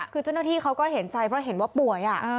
คือเจ้าหน้าที่เขาก็เห็นใจเพราะเห็นว่าป่วย